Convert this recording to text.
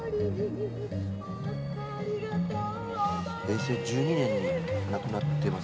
平成１２年に亡くなってますね。